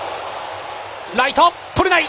ライト、捕れない！